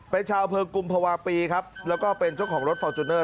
เป็นชาวเผิงกุมภวาปีครับแล้วก็เป็นช่วงของรถฟอร์จูเนอร์